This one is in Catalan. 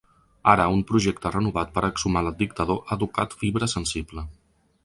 Ara un projecte renovat per a exhumar el dictador ha tocat fibra sensible.